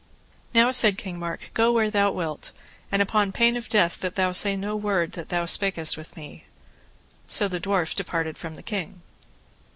Now, said King Mark, go where thou wilt, and upon pain of death that thou say no word that thou spakest with me; so the dwarf departed from the king.